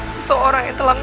apakah akan jadi bahwa